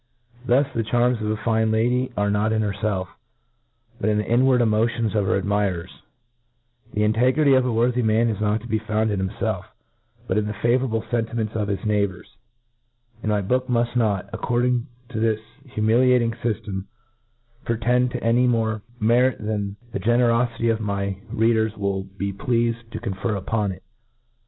Thus, the charms of ^ fine lady arc not in herfclf, but in the inward emotions PREFACE, 5 emotions of her admirers : The integrity of u worthy man is not tp be found in himfclf, but in the favourable feritiments ot his neighbours^ And my book muft not, according to this humili ating fyftem, pretend to any more merit than the generofity of my readers will be pleafed to con fer upon it.